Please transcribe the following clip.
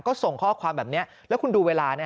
ก็ส่งข้อความแบบนี้แล้วคุณดูเวลา